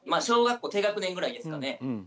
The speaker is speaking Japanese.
小学校低学年ぐらいですかね